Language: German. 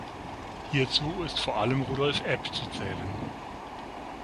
Hierzu ist vor allem Rudolf Epp zu zählen.